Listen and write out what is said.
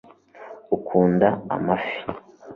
ukunda amafi